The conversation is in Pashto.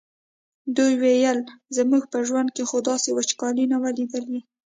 دوی ویل زموږ په ژوند خو داسې وچکالي نه وه لیدلې.